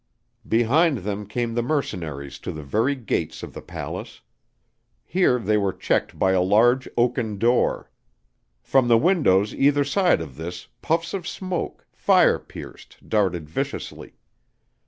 Behind them came the mercenaries to the very gates of the palace. Here they were checked by a large oaken door. From the windows either side of this puffs of smoke, fire pierced, darted viciously.